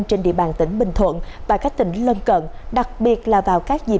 trên địa bàn tỉnh bình thuận và các tỉnh lân cận đặc biệt là vào các dịp lễ tết